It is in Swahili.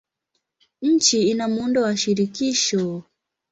Nchi ina muundo wa shirikisho.